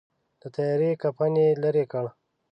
د تیارې کفن یې لیري کړ.